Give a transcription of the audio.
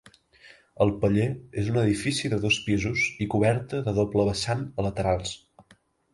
El paller és un edifici de dos pisos i coberta de doble vessant a laterals.